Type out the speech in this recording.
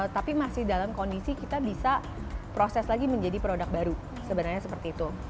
tapi masih dalam kondisi kita bisa proses lagi menjadi produk baru sebenarnya seperti itu